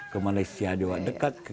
ke malaysia dekat ke